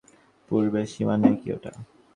পূর্বের সীমানায় কী ওটা?